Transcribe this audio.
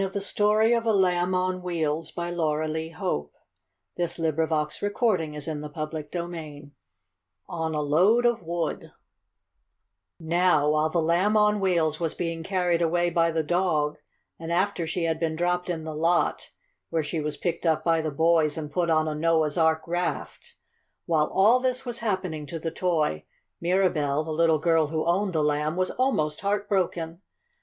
"I was bought by a sailor, and here I am making a voyage! I hope I shall not be seasick!" CHAPTER IX ON A LOAD OF WOOD Now while the Lamb on Wheels was being carried away by the dog, and after she had been dropped in the lot, where she was picked up by the boys and put on a Noah's Ark raft while all this was happening to the toy, Mirabell, the little girl who owned the Lamb, was almost heart broken.